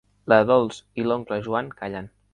La Dols i l'oncle Joan callen.